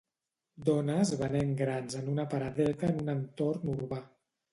Dones venent grans en una paradeta en un entorn urbà.